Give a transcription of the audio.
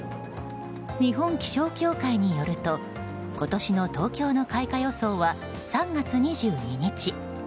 日本気象協会によると今年の東京の開花予想は３月２２日。